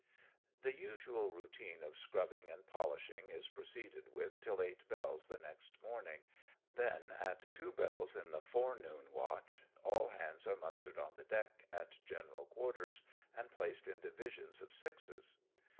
The us ual routine of scrubbing and polishing is pro ceeded with till eight bolls the next morning, then at two bells in the forenoon watch all hands are mustered on the deck at general quarters, and placed in divisions of sixes.